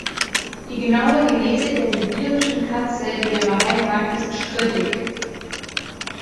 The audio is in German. Die genaue Genese der sibirischen Katze in ihrer Heimat ist strittig.